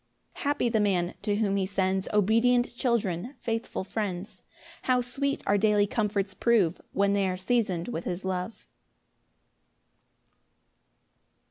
4 Happy the man to whom he sends Obedient children, faithful friends: How sweet our daily comforts prove When they are season'd with his love!